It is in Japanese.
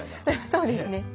そうですね。